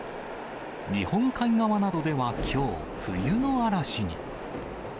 日本海側などではきょう、冬の嵐に。